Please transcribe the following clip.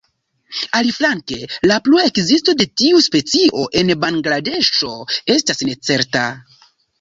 Aliflanke la plua ekzisto de tiu specio en Bangladeŝo estas necerta.